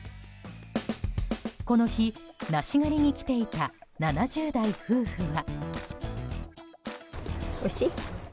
この日、梨狩りに来ていた７０代夫婦は。